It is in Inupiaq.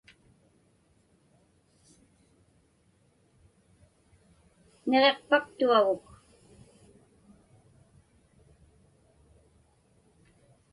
Niġiqpaktuaguk.